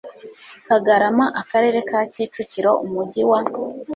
Kagarama Akarere ka Kicukiro Umujyi wa